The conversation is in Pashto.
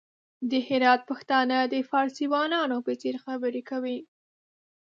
د هرات پښتانه د فارسيوانانو په څېر خبري کوي!